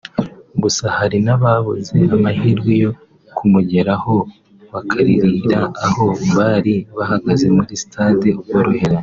gusa hari n’ababuze amahirwe yo kumugeraho bakaririra aho bari bahagaze muri Stade Ubworoherane